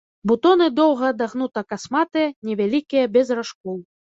Бутоны доўга-адагнута-касматыя, невялікія, без ражкоў.